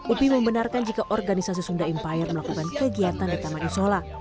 upi membenarkan jika organisasi sunda empire melakukan kegiatan di taman isola